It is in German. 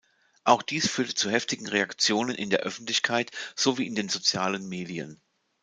Auch dies führte zu heftigen Reaktionen in der Öffentlichkeit sowie in den sozialen Medien.